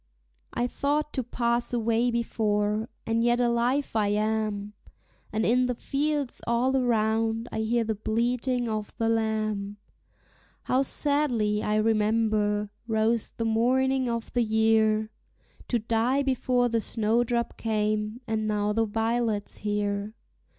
I thought to pass away before, and yet alive I am; And in the fields all around I hear the bleating of the lamb. How sadly, I remember, rose the morning of the year! To die before the snowdrop came, and now the violet's here.